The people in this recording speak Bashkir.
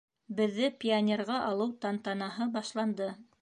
Беҙҙе пионерға алыу тантанаһы башланды.